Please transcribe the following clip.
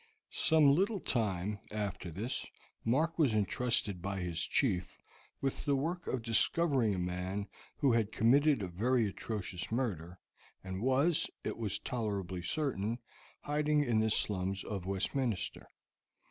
Some little time after this Mark was intrusted by his chief with the work of discovering a man who had committed a very atrocious murder, and was, it was tolerably certain, hiding in the slums of Westminster.